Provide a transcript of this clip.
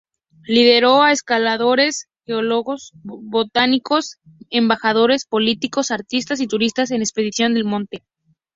Lideró a escaladores, geólogos, botánicos, embajadores, políticos, artistas y turistas en expediciones al monte.